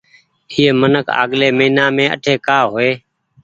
اي منک آگلي مهينآ مين اٺي ڪآ هو ئي۔